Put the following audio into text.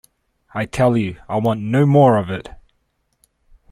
I tell you, I want no more of it.